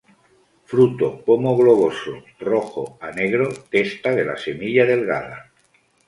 Fruto pomo globoso, rojo a negro; testa de la semilla delgada.